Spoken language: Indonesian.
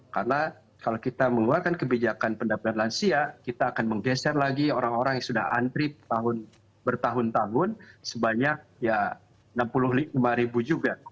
karena kalau kita mengeluarkan kebijakan pendampingan lansia kita akan menggeser lagi orang orang yang sudah antri bertahun tahun sebanyak enam puluh lima ribu juga